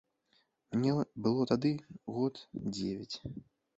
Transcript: Мне было тады год дзевяць.